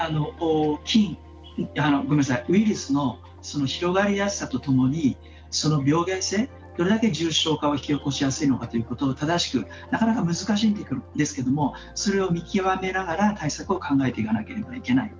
ウイルスの広がりやすさとともに病原性、どれだけ重症化を引き起こしやすいのかというのを正しくなかなか難しいんですけどもそれを見極めながら対策を考えていかなければならない。